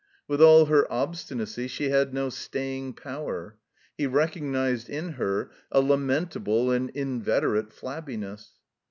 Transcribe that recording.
With all her obstinacy she had no staying power. He recognized in her a lamentable and inveterate flabbiness.